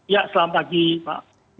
ya selamat pagi pak